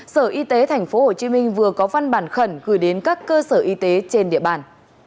sở y tế tp hcm vừa có văn bản khẩn gửi đến các cơ sở y tế trên địa bàn